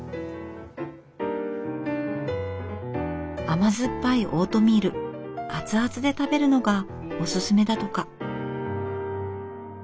甘酸っぱいオートミール熱々で食べるのがおすすめだとか。